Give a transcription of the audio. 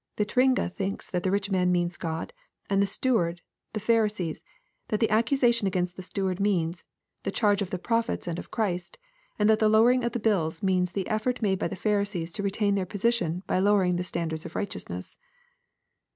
Yitringa thinks that the rich man means God, and the steward wfie Pharisees, — ^that the accusation against the steward means, the charges of thr prophets and of Christ, — and that the lowering of the bills means the effort made by the Pharisees to retain their position by lowering the standard of righteousness.